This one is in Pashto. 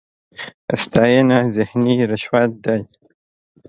ستاېنه ذهني رشوت دی.